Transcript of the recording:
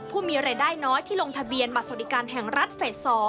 ผู้มีรายได้น้อยที่ลงทะเบียนบัตรสวัสดิการแห่งรัฐเฟส๒